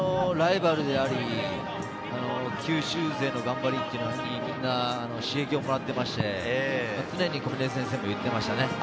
ライバルであり、九州勢の頑張りは、みんな刺激をもらっていまして、常に小嶺先生も言っていましたね。